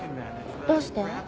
どうして？